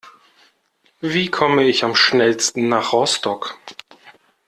Wie komme ich am schnellsten nach Rostock?